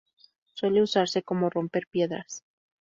Suele usarse para romper piedras.